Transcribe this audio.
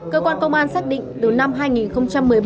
cơ quan công an xác định từ năm hai nghìn một mươi bảy